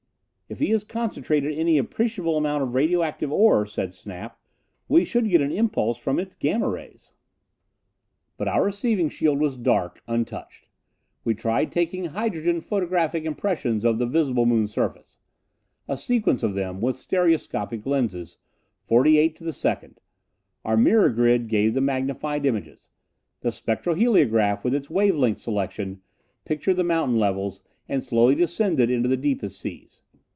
"If he has concentrated any appreciable amount of radio active ore," said Snap, "we should get an impulse from its Gamma rays." But our receiving shield was dark, untouched. We tried taking hydrogen photographic impressions of the visible moon surface. A sequence of them, with stereoscopic lenses, forty eight to the second. Our mirror grid gave the magnified images; the spectro heliograph, with its wave length selection, pictured the mountain levels, and slowly descended into the deepest seas.